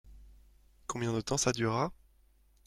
Combien de temps ça durera ?